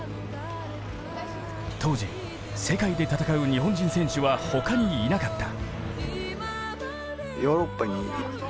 当時、世界で戦う日本人選手は他にいなかった。